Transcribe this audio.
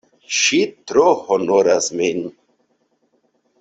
Ŝi tro honoras min!